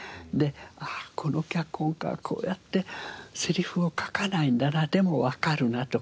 ああこの脚本家はこうやってセリフを書かないんだなでもわかるなとか。